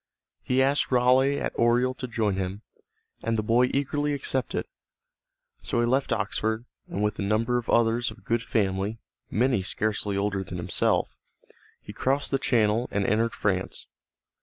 He asked Raleigh at Oriel to join him, and the boy eagerly accepted. So he left Oxford, and with a number of others of good family, many scarcely older than himself, he crossed the Channel and entered France.